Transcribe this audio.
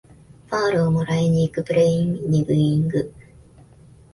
ファールをもらいにいくプレイにブーイング